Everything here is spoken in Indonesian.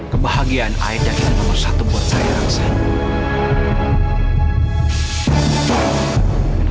kebahagiaan aida ini nomor satu buat saya aksan